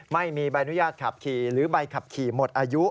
ไม่มีใบอนุญาตขับขี่หรือใบขับขี่หมดอายุ